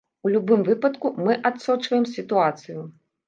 У любым выпадку, мы адсочваем сітуацыю.